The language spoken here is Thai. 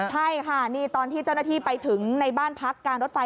ใช่ค่ะนี่ตอนที่เจ้าหน้าที่ไปถึงในบ้านพักการรถไฟ